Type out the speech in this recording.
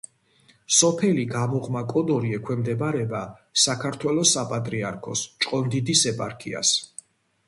სოფელი გამოღმა კოდორი ექვემდებარება საქართველოს საპატრიარქოს ჭყონდიდის ეპარქიას.